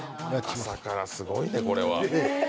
朝からすごいね、これは。